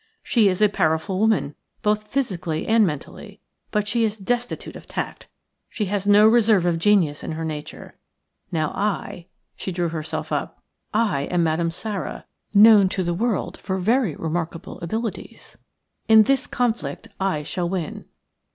She is a powerful woman, both physically and mentally, but she is destitute of tact. She has no reserve of genius in her nature. Now, I —"– she drew herself up – "I am Madame Sara, known to the world for very remarkable abilities. In this conflict I shall win."